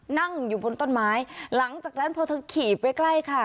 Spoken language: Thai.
นั่งอยู่บนต้นไม้หลังจากนั้นพอเธอขี่ไปใกล้ค่ะ